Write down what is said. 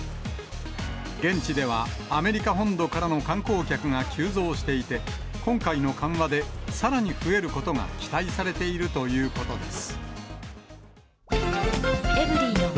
現地ではアメリカ本土からの観光客が急増していて、今回の緩和で、さらに増えることが期待されているということです。